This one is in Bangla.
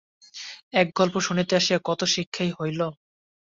এক গল্প শুনিতে আসিয়া কত শিক্ষাই হইল।